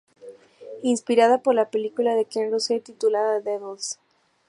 Inspirada por la película de Ken Russell titulada "The Devils".